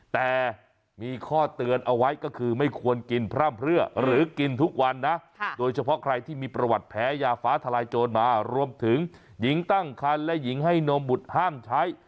แต่มีข้อเตือนเอาไว้ก็คือไม่ควรกินพร่ำเพื่อหรือกินทุกวันนะโดยเฉพาะใครที่มีประวัติแพ้ยาฟ้าทลายโจรมารวมถึงหญิงตั้งคันและหญิงให้นมบุตรห้ามใช้